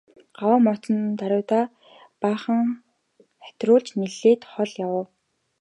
Гаваа мордсон даруйдаа баахан хатируулж нэлээд хол явав.